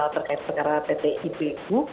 terkait perkara pt ipu